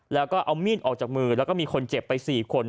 แล้วก็เอามีดออกจากมือแล้วก็มีคนเจ็บไป๔คน